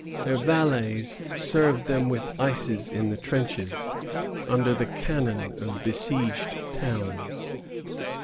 Their valets served them with ices in the trenches, under the cannon of besieged towns.